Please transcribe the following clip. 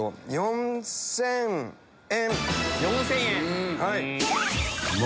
４０００円！